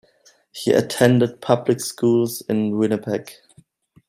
He attended public schools in Winnipeg.